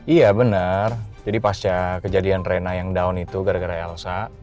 iya benar jadi pasca kejadian rena yang down itu gara gara elsa